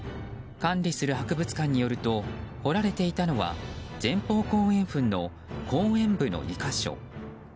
管理する博物館によると掘られていたのは前方後円墳の後円部の２か所。